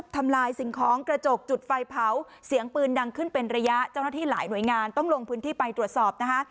ทำลายสิ่งของกระจกจุดไฟเผาเสียงปืนดังขึ้นเป็นระยะเจ้าหน้าที่หลายหน่วยงานต้องลงพื้นที่ไปตรวจสอบนะคะ